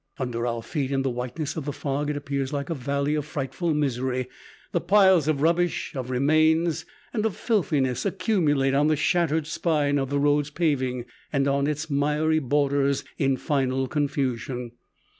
Under our feet in the whiteness of the fog it appears like a valley of frightful misery. The piles of rubbish, of remains and of filthiness accumulate on the shattered spine of the road's paving and on its miry borders in final confusion.